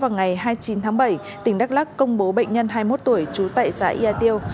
ngày chín tháng bảy tỉnh đắk lắc công bố bệnh nhân hai mươi một tuổi chú tệ xã yatio